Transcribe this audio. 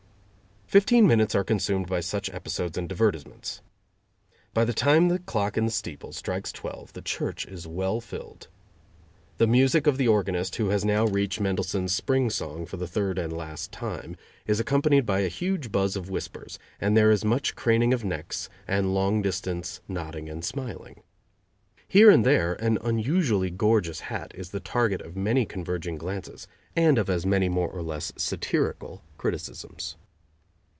Fifteen minutes are consumed by such episodes and divertisements. By the time the clock in the steeple strikes twelve the church is well filled. The music of the organist, who has now reached Mendelssohn's Spring Song for the third and last time, is accompanied by a huge buzz of whispers, and there is much craning of necks and long distance nodding and smiling. Here and there an unusually gorgeous hat is the target of many converging glances, and of as many more or less satirical criticisms.